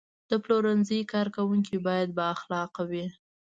د پلورنځي کارکوونکي باید بااخلاقه وي.